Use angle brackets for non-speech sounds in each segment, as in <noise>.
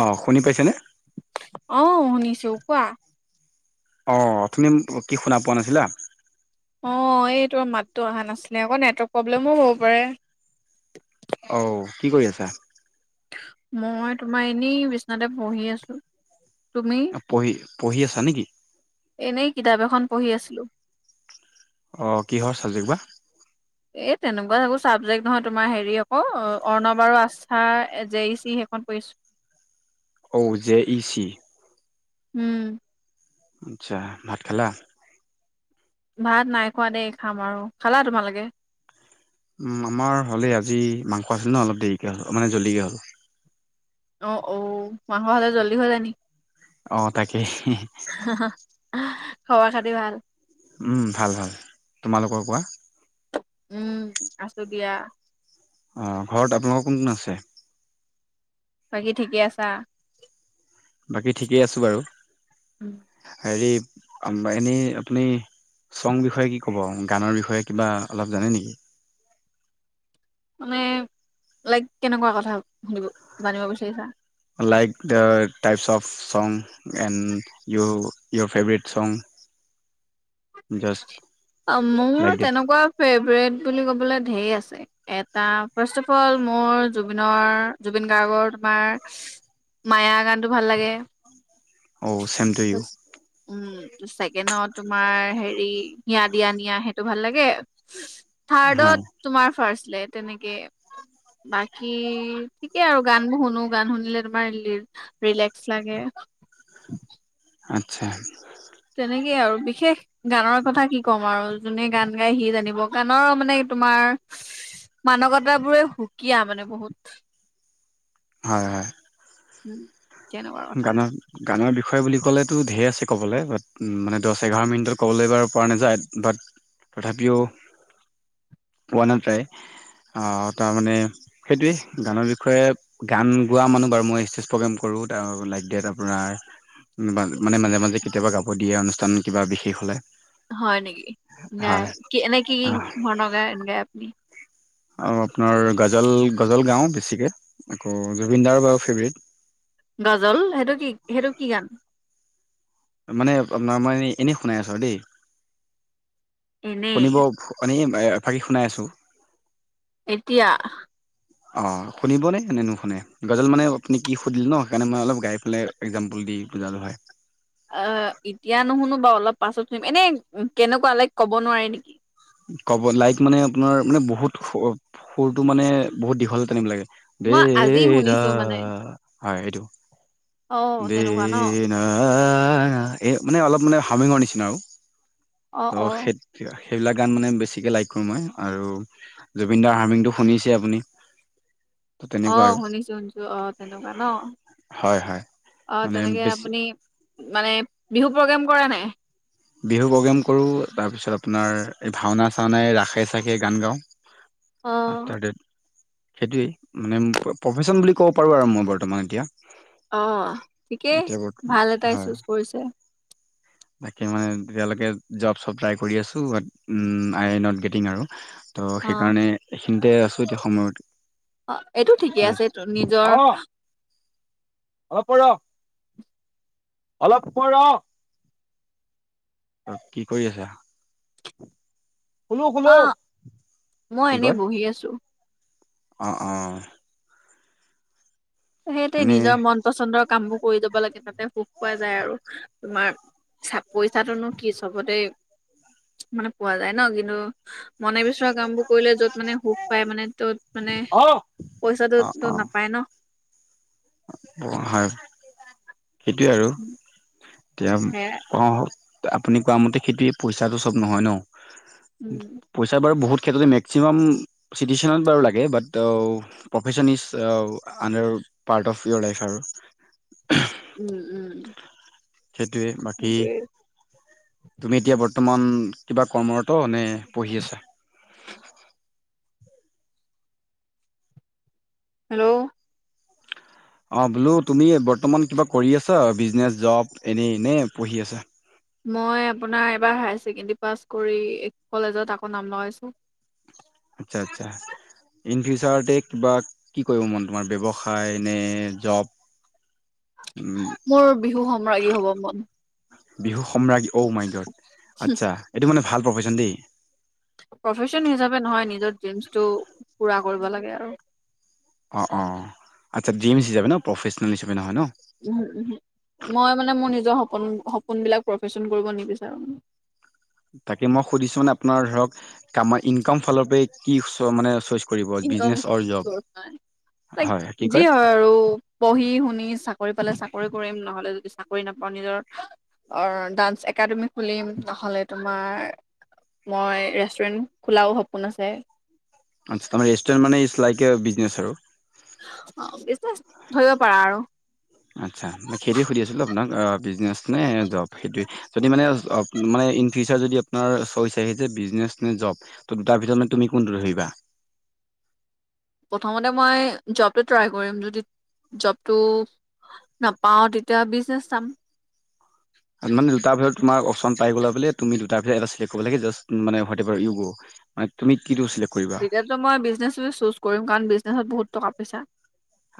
অঁ শুনি পাইছেনে? অঁ অ শুনিছো কোৱা। অঁ অ অ অথনি মোক কি শুনা পোৱা নাছিলা। অঁ অ অ, এইটো মাতটো অহা নাছিলে আকৌ নেটৱৰ্ক প্ৰব্লেমো হ'ব পাৰে। অ ও ও কি কৰি আছা? মই তোমাৰ এনেই বিচনাতে বহি আছোঁ। অ পঢ়ি পঢ়ি আছা নেকি? এনেই কিতাপ এখন পঢ়ি আছিলোঁ। অ অ, কিহৰ হয় চাবজেক্ট বা। এই তেনেকুৱা একো চাবজেক্ট নহয় তোমাৰ হেৰি আকৌ অৰ্ণৱ আৰু আস্থা জে ই চি খন পৰিছো। অ ও জে ই চি। উম উ উ। আচ্ছা, ভাত খালা? ভাত নাই খোৱা দেই খাম আৰু খালা তোমালোকে। উম উ, আমাৰ হলে আজি মাংস আছিলে ন অলপ দেৰিকে হ'ল মানে জল্দিকে হ'ল। অ ঔ মাংস হ'লে জল্দি হৈ যায় নেকি? অ তাকে ই হুম। হা হা আহ্ আ খবৰ-খাতি ভাল। উম উ ভাল ভাল। তোমালোকৰ কোৱা? উম উ উ, আছো দিয়া। অ অ অ, ঘৰত আপোনালোকৰ কোন কোন আছে? বাকী ঠিকেই আছা। বাকী ঠিকেই আছো বাৰু। উমহু উ। হেৰি‌ আম বা এনেই আপুনি চং বিষয়ে কি ক'ব গানৰ বিষয়ে কিবা অলপ জানে নেকি? মানে লাইক কেনেকুৱা কথা সুধিব জানিব বিচাৰিছা। আ like their types of song. And you your favourite song. অ মোৰ তেনেকুৱা ফেভৰেট বুলি কবলৈ ধেৰ আছে। এটা ফাৰ্ষ্ট অফ মোৰ জুবিনৰ জুবিন গাৰ্গৰ তোমাৰ মায়া গানটো ভাল লাগে ঔ চেম উম চেকেনত তোমাৰ হেৰি হিয়া দিয়া নিয়া সেইটো ভাল লাগে হয় থাৰ্ডত তোমাৰ ফাৰ্ষট লেত তেনেকে বাকী ঠিকেই আৰু গান বোৰ শুনো গান শুনিলে তোমাৰ লিৰ ৰিলেক্স লাগে <unintelligible> আচ্ছা তেনেকেই আৰু বিশেষ গানৰ কথা কি ক'ম আৰু যোনে গান গায় সি জানিব গানৰ মানে তোমাৰ মাদকতা বোৰে সুকীয়া মানে বহুত হয় হয় ওম গানত গানৰ বিষয়ে বুলি কলে টু ধেই আছে ক'বলৈ বাট মানে দহ এঘাৰ মিনিটত ক'বলৈ বাৰু পৰা নাযায় বাট তথাপিও পোৱা নাযায় আহ তাৰমানে সেইটোয়ে গানৰ বিষয়ে গান গোৱা মানুহ বাৰু মই ষ্টেজ প্ৰগ্ৰেম কৰো লাইক ডেট আপোনাৰ উম মানে মাজে মাজে কেতিয়াবা গাব দিয়ে অনুষ্ঠান কিবা বিশেষ হলে হয় নেকি গায় হয় কি এনে কি কি ধৰণৰ গান গায় আপুনি আৰু আপোনাৰ গজল গজল গাও বেছিকৈ আকৌ জুবিনদাৰ বাৰু ফেভৰেট গজল সেইটো কি সেইটো কি গান মানে আপুনা মানে এনেই শুনাই আছো দেই এনেই শুনিব এনেই এফাকি শুনাই আছোঁ এতিয়া অ শুনিবনে নে নুশুনে গজল মানে আপুনি কি সুধিলে ন সেইকাৰণে মই অলপ গাই পেলাই একজাম্পুল দি বুজালো হয় অ এতিয়া নুশুনো বা অলপ পাছত শুনিম এনে কেনেকুৱা লাইক কব নোৱাৰে নেকি ক'ব লাইক মানে আপোনাৰ মানে বহুত সুৰতটো মানে বহুত দীঘল টানিব লাগে দে মই আজি ৰা শুনিছো মানে হয় এইটো অ দে তেনেকুৱা ন এ মানে অলপ মানে হামিঙৰ নিচিনা আও অ সেই সেইবিলাক গান মানে বেছিকে লাইক কৰোঁ মই আৰু জুবিন দাৰ হাৰ্মিংটো শুনিছে আপুনি <unintelligible> অঁ আৰু শুনিছোঁ শুনিছোঁ অঁ তেনেকুৱা ন হয় হয় অঁ মানে তেনেকে বেছি আপুনি। মানে বিহু প্ৰগ্ৰেম কৰে নাই। বিহু প্ৰগ্ৰেম কৰোঁ। তাৰপিছত আপোনাৰ এই ভাওনা-চাওনাই ৰাসে-চাখে গান গাওঁ। অ', আফটাৰ দেট সেইটোৱেই মানে প্ৰফেচন বুলি ক'ব পাৰোঁ আৰু মই বৰ্তমান এতিয়া। অ ঠিকেই এতিয়া বৰ্তমান ভাল এটাই হয় চুজ কৰিছে। বাকী মানে, তেতিয়ালৈকে জব-চব ট্ৰাই কৰি আছোঁ but I a not getting আৰু। ত অ', সেইকাৰণে, এইখিনিতে আছো এতিয়া অ', এইটো ঠিকে সময় আছো। আছে এইটো নিজৰ অ অঁ পৰ অলপ পৰ ৰ। অ কি কৰি আছা? শুলো অ, শুলো মই কি এনেই কয়? বহি আছো। অ অ। সেইটোৱে এনেই নিজৰ মন পচন্দৰ কামবোৰ কৰি যাব লাগে তাতে সুখ পোৱা যায় আৰু তোমাৰ চা পইচাটোনো কি চবতে মানে পোৱা যায় ন কিন্তু মনে বিচৰা কামবোৰ কৰিলে য'ত মানে সুখ পায় মানে ত'ত মানে অ', পইচাটোতো অ', নাপায় ন। হয়, সেইটোৱে আৰু এতিয়া সেয়াই অ, আপুনি কোৱা মতে খেতি, পইচাটো চব নহয় ন। উম, পইচা বাৰু বহুত ক্ষেত্ৰতে মেক্সিমাম চিটিচনত বাৰু লাগে but O profession is, O under part of your life আৰু। উম উম। সেইটোয়ে বাকী সেইটোৱে তুমি এতিয়া বৰ্তমান কিবা কৰ্মৰত নে পঢ়ি আছা? হেল্ল'? অঁ বোলো তুমি বৰ্তমান কিবা কৰি আছা বিজনেছ, জব এনেই নে পঢ়ি আছা? মই আপোনাৰ এবাৰ হায়াৰ ছেকেণ্ডৰী পাছ কৰি কলেজত আকৌ নাম লগাইছো। আচ্ছা আচ্ছা। ইন ফিউচাৰতে কিবা কি কৰিব মন তোমাৰ ব্যৱসায় নে জব? <inaudible> মোৰ বিহু সম্ৰাজ্ঞী হ'ব মন। বিহু সম্ৰাজ্ঞী ঔ মাই গড। আচ্ছা, এইটো মানে ভাল প্ৰফেচন দেই। প্ৰফেচন হিচাপে নহয় নিজৰ ড্ৰিমছটো পুৰা কৰিব লাগে আৰু। অঁ অঁ, আচ্ছা ড্ৰিমছ হিচাপে ন প্ৰফেচন হিচাপে নহয় ন। উ উ, মই মানে মোৰ নিজৰ সপোন সপোনবিলাক প্ৰফেচন কৰিব নিবিচাৰো। তাকে মই সুধিছো তাত আপোনাৰ ধৰক, কাম ইনকাম ফালৰ পৰা কি চৰ মানে চইছ ইনকাম হয় কি <inaudible> যি কয় হয় আৰু। পঢ়ি-শুনি চাকৰি পালে চাকৰি কৰিম, নহলে যদি চাকৰি নাপাওঁ নিজৰ অৰ ডান্স একাডেমি খুলিম, নহ'লে তোমাৰ মই ৰেষ্টুৰেণ্ট খোলাও সপোন আছে। আচ্ছা, তোমাৰ ৰেষ্টৰেণ্ট মানে ইটছ লাইক এ বিজনেছ আৰু। অ বিজনেছ, ধৰিব পাৰা আৰু। আচ্ছা সেইটোৱে সুধি আছিলোঁ আপোনাক আ বিজনেছ নে জব সেইটোৱে। যদি মানে অব মানে ইন ফিউচাৰ যদি আপোনাৰ চইচ আহি যে বিজনেচ নে জব ত দুটাৰ ভিতৰত মানে তুমি কোনটো ধৰিবা? প্ৰথমতে মই জবটো ট্ৰাই কৰিম যদি জবটো নাপাও তেতিয়া বিজনেছ চাম। তাৰ মানে দুটা ভিতৰত তোমাৰ অপচন পাই গলা বোলে তুমি দুটাৰ ভিতৰত এটা চিলেক্ট কৰিব লাগে জাষ্ট মানে হোৱাটএভাৰ ইউ মানে তুমি কি দছিলে তেতিয়াটো মই বিজনেছ চুজ কৰিম কাৰণ বিজনেছত বহুত টকা - পইচা।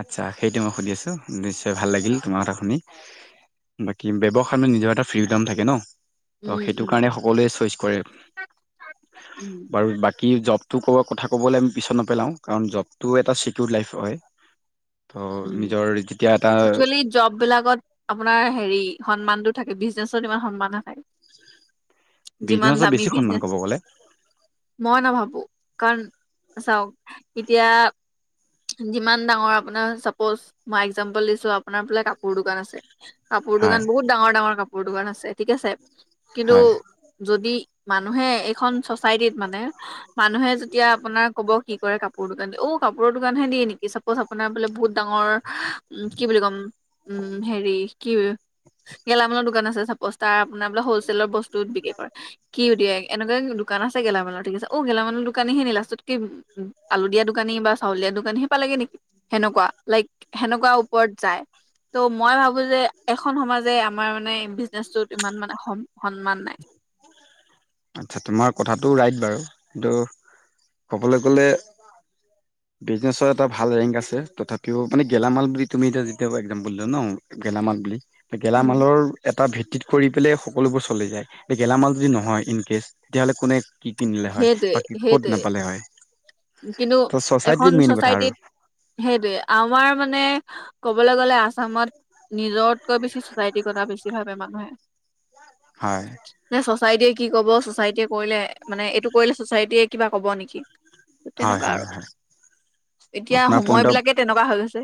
আচ্ছা সেইটো মই সুধি আছোঁ, নিশ্চয় ভাল লাগিল তোমাৰ কথা শুনি বাকী ব্যৱসায় মানে নিজৰ এটা ফ্ৰীডম থাকে ন। ত উম সেইটো কাৰণে উম। সকলোৱে চইচ কৰে, উম বাৰু বা কি জবটো ক'ৰ কথা ক'বলৈ আমি পিছত নেপেলাওঁ কাৰণ জবটোও এটা ছিকিউৰ লাইফ হয়। ত উম নিজৰ যেতিয়া এটা একচুৱেলি জব বিলাকত আপোনাৰ হেৰি সন্মানতো থাকে বিজনেচত ইমান সন্মান নাথাকে। যিমান বিজনেছত দামি বেছি সন্মান বিজনেছ ক'ব গ'লে মই নাভাবো, কাৰণ চাওক এতিয়া যিমান ডাঙৰ আপোনাৰ চাওঁক চাপ'জ মই একজাম্পল দিছো আপোনাৰ বোলে কাপোৰ দোকান আছে, কাপোৰ হয় দোকান বহুত ডাঙৰ ডাঙৰ কাপোৰ দোকান আছে, ঠিক আছে কিন্তু হয়। যদি মানুহে এইখন চচাইটিত মানে মানুহে যেতিয়া আপোনাক কব কি কৰে কাপোৰ দোকান দিয়ে অ কাপোৰৰ দোকানহে দিয়ে নেকি, চাপ'জ আপোনাৰ বোলে বহুত ডাঙৰ উম কি বুলি ক'ম উম হেৰি কি গেলামালৰ দোকান আছে চাপজ, তাৰ আপোনাৰ বোলে সৰু ল'ৰা ছোৱালী বিলাকৰ বহুত বস্তুত বিক্ৰী কৰে। কি দিয়ে এনেকুৱা দোকান আছে গেলামালৰ ঠিক আছে, অ গেলামালৰ দোকানী হে লাষ্টত কি উম আলু দিয়া দোকানী বা চাউল দিয়া দোকানী হে পালে নেকি, সেনেকুৱা লাইক সেনেকুৱা ওপৰত যায়। ত' মই ভাবো যে এখন সমাজে আমাৰ মানে বিজনেচটোত ইমান মানে সন্মান নাই। আচ্ছা তোমাৰ কথাটো ৰাইট বাৰু, কিন্তু কবলৈ গলে বিজনেছৰ এটা ভাল ৰেংক আছে, তথাপিও মানে গেলামাল বুলি তুমি এতিয়া যেতিয়া একজাম্পল দিলা ন। গেলামাল বুলি উম, গেলামালৰ এটা ভিত্তিত কৰি পেলাই সকলোবোৰ চলি যায়, গেলামাল যদি নহয় কেচ তেতিয়াহ'লে কোনে কি কিনিলে হয়, সেইটোৱে বা ক'ত সেইটোৱে নাপালে হয়। কিন্তু ত এখন চচাইটিৰ মেইন কথা আৰু। চচাইটিত সেইটোৱে আমাৰ মানে ক'বলৈ গ'লে আসামত নিজতকৈ বেছি চচাইটি কৰা বেছি ভাবে মানুহে। হয়। নহয় চচাইটিয়ে কি কব, চচাইটিয়ে কৰিলে মানে এইটো কৰিলে চচাইটিয়ে কিবা কব নেকি? ঠিক হয় তেনেকুৱা হয় আৰু, হয় এতিয়া আপোনাৰ সময় বিলাকে তেনেকুৱা হৈ গৈছে।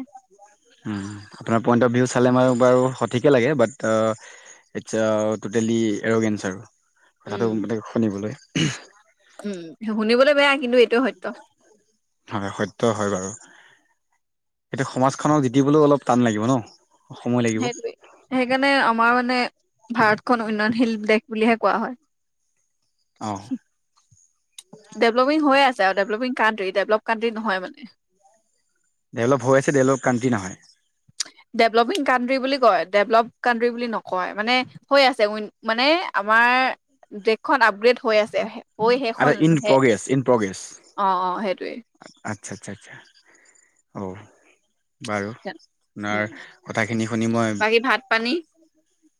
উম, আপোনাৰ পইণ্ট অফ ভিউ চালে মই বাৰু সঠিকেই লাগে বাট আ ইচ্ছা টোটেলি এৰোগ এনছাৰ, উম কথাটো মানে শুনিবলৈ উম শুনিবলৈ বেয়া কিন্তু এইটোয়ে সত্য। হয় সত্য হয় বাৰু। এতিয়া সমাজখনক জিদিবলৈও অলপ টান লাগিব ন। সময় লাগিব সেইটোৱে সেইকাৰণে আমাৰ মানে ভাৰতখন উন্নয়নশীল দেশ বুলিহে কোৱা হয়। অঁ ডেভলপিং হৈয়ে আছে আৰু, ডেভলপিং কানট্ৰি ডেভলপ কান্ট্ৰি নহয় মানে। ডেভেলপ হৈ আছে, ডেভলপ কান্ট্ৰি নহয়। ডেভলপিং কানট্ৰি বুলি কয়, ডেভলপ কানট্ৰি বুলি নকয়। মানে হৈ আছে উইন মানে আমাৰ দেশখন আপগ্ৰেড হৈ আছে। হৈ আৰু খন ইন হে প্ৰগ্ৰেছ ইন প্ৰগ্ৰেছ অঁ অঁ সেইটোৱে। আচ্ছা আচ্ছা আচ্ছা অ বাৰু, আপোনাৰ উম কথাখিনি শুনি মই বাকী ভাত পানী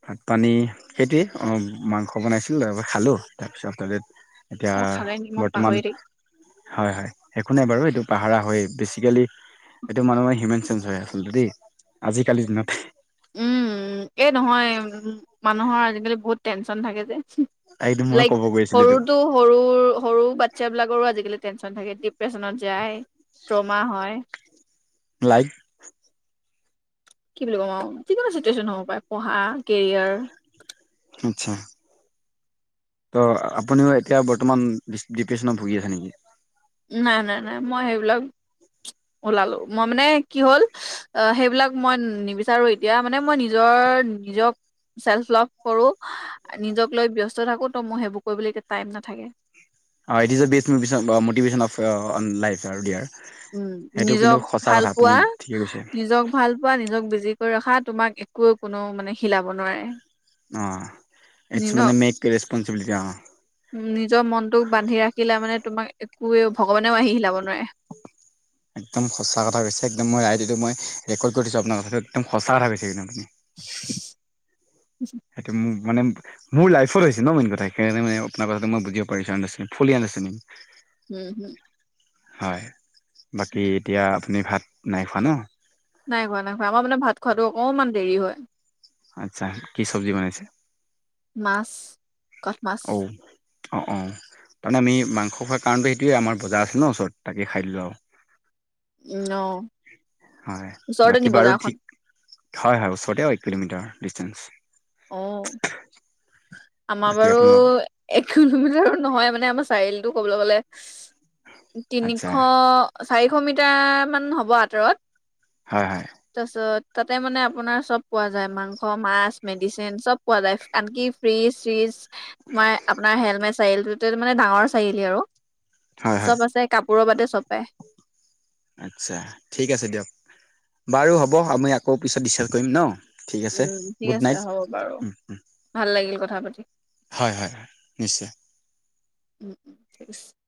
ভাত পানী সেইটোৱেই মাংস বনাইছিলোঁ, তাৰপৰা খালোঁ তাৰপিছত এতিয়া অ খালে নি মই পাহৰি বৰ্তমান থাকিলো হয় হয়। একো নাই বাৰু এইটো পাহাৰা হয়, বেছিকেলি এইটো মানুহে হিউমেন চেঞ্জ হয় আচলতে দেই আজিকালিৰ দিনত উম এই নহয় উ মানুহৰ আজিকালি বহুত টেনচন থাকে যে এইটো মই লাইক ক'ব গৈছিলো এইটো কৰোটো সৰু সৰু বাচ্ছাবিলাকৰো আজিকালি টেনচন থাকে ডিপ্ৰেশ্যনত যায় ট্ৰমা হয় লাইক কি বুলি ক'ম আৱ যি কোনো চিটুৱেচন হ'ব পাৰে পঢ়া কেৰিয়াৰ আচ্ছা ত' আপুনিও এতিয়া বৰ্তমান ডিপ্ৰেচনত ভুগি আছে নেকি নাই নাই নাই মই সেইবিলাক ওলালো মই মানে কি হ'ল অ সেইবিলাক মই নিবিচাৰো এতিয়া মানে মই নিজৰ নিজক চেল্ফ লভ কৰো নিজক লৈ ব্যস্ত থাকো ত মোৰ সেইবোৰ কৰিবলে টাইম নাথাকে অ it is a be motivation of হয় অন লাইফৰ উম নিজক ভাল পোৱা ঠিকে কৈছে নিজক ভাল পোৱা নিজক বিজি কৰি ৰখা তোমাক একোৱে কোনো মানে হিলাব নোৱাৰে অ নিজ ইটছ মানে মেক ৰেছপঞ্চবিলিটি অ নিজৰ মনটোক বান্ধি ৰাখিলে মানে তোমাক একোৱে ভগৱানেও আহি হিলাব নোৱাৰে একদম সঁচা কথা কৈছে একদম মই আই দিটো মই ৰেকৰ্ড কৰি থৈছো আপোনাৰ কথাটো একদম সঁচা কথা কৈছে কিন্তু <unintelligible> সেইটো মোৰ মানে মোৰ লাইফত হৈছে ন মেন কথা সেইকাৰণে মই আপোনাৰ কথাটো মই বুজিব পাৰিছো আন ফুলি আনদাৰচেন উম উম হয় বাকী এতিয়া আপুনি ভাত নাই খোৱা ন নাই খোৱা নাই খোৱা আমাৰ মানে ভাত খোৱাটো অকণমান দেৰি হয় আচ্ছা কি চব্জি বনাইছে মাছ কাঠ মাছ আও অ অ কাৰণ আমি মাংস খোৱা কাৰণটো এইটোৱে আমাৰ বজা আছে ন ওচৰত তাকে খাই দিলো আৰু উম অ হয় ওচৰতে বাকী নি বাৰু বজাৰখন ঠিক হয় হয় ওচৰতে এক কিলোমিটাৰ ডিচষ্টেনচ অ আমাৰ বাকী বাৰু আপোনালোক এক কিলোমিটাৰ নহয় মানে আমাৰ চাৰিআলিটো কবলৈ গলে আচ্ছা তিনিশ চাৰিশ মিটাৰমান হ'ব আঁতৰত হয় হয় তাৰপিছত তাতে মানে আপোনাৰ চব পোৱা যায় মাংস মাছ মেডিচিন চব পোৱা যায় আনকি ফ্ৰিজ চিজ তোমাৰ আপোনাৰ হেলমেট চাৰিআলিটো মানে ডাঙৰ চাৰিআলি আৰু হয় হয় চব আছে কাপোৰৰ বাদে চব পাই আচ্ছা ঠিক আছে দিয়ক বাৰু হ'ব আমি আকৌ পিছত ডিচাইড কৰিম ন ঠিক আছে উম ঠিক গুড আছে নাইট হ'ব বাৰু ভাল লাগিল কথা পাতি হয় হয় নিশ্চয় <unintelligible>